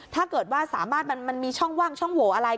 ถ้าเกิดว่าสามารถมันมีช่องว่างช่องโหวอะไร